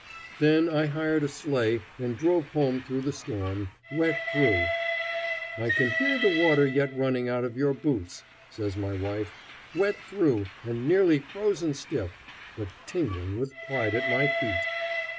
Then I hired a sleigh and drove home through the storm, wet through "I can hear the water yet running out of your boots," says my wife wet through and nearly frozen stiff, but tingling with pride at my feat.